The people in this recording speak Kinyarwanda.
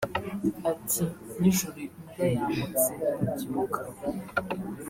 Ati “Nijoro imbwa yamotse ndabyuka